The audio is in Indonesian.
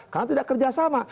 karena tidak kerja sama